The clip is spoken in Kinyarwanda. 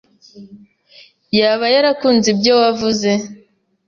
yaba yarakunze ibyo wavuze.